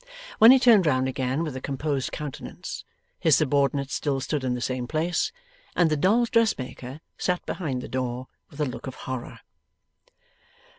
When he turned round again with a composed countenance, his subordinate still stood in the same place, and the dolls' dressmaker sat behind the door with a look of horror.